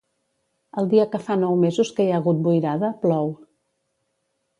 El dia que fa nou mesos que hi ha hagut boirada, plou.